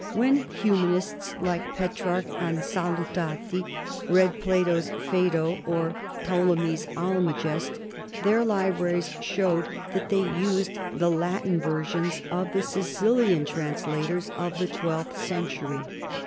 When humanists like Pe trarch and Salutati read Plato's Ph&do or Ptolemy's Almagest, their libraries show that they used the Latin versions of the Sicilian translators of the twelfth cen tury.